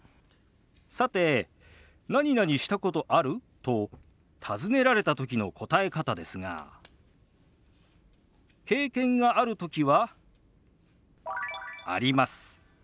さて「なになにしたことある？」と尋ねられた時の答え方ですが経験がある時は「あります」。